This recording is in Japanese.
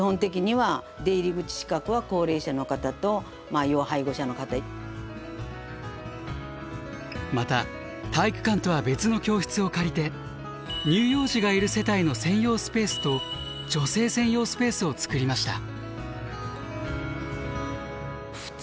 まず手がけたのはまた体育館とは別の教室を借りて乳幼児がいる世帯の専用スペースと女性専用スペースを作りました。